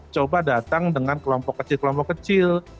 coba datang dengan kelompok kecil kelompok kecil